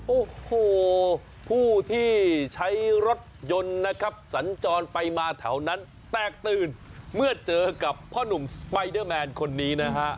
โอ้โหผู้ที่ใช้รถยนต์นะครับสัญจรไปมาแถวนั้นแตกตื่นเมื่อเจอกับพ่อนุ่มสไปเดอร์แมนคนนี้นะฮะ